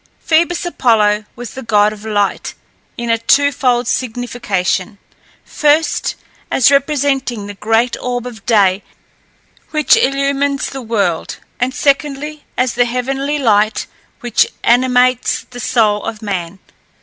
Phoebus Apollo was the god of light in a twofold signification: first, as representing the great orb of day which illumines the world; and secondly, as the heavenly light which animates the soul of man.